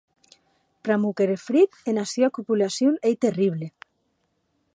Pr’amor qu’er efrit ena sua copulacion ei terrible!